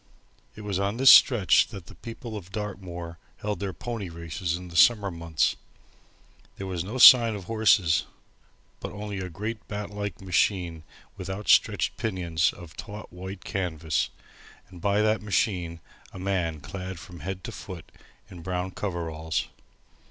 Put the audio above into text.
It was on this stretch that the people of Dartmoor held their pony races in the summer months. There was no sign of horses; but only a great bat like machine with out stretched pinions of taut white canvas, and by that machine a man clad from head to foot in brown overalls.